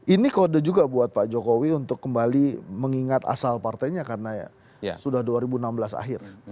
ini kode juga buat pak jokowi untuk kembali mengingat asal partainya karena ya sudah dua ribu enam belas akhir